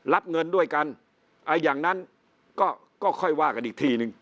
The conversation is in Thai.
รับเงินด้วยกันอย่างนั้นก็ค่อยว่ากันอีกทีนึง